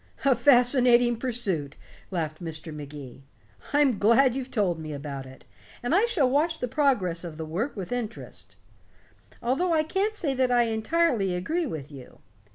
"A fascinating pursuit," laughed Mr. Magee. "I'm glad you've told me about it, and I shall watch the progress of the work with interest. Although I can't say that I entirely agree with you.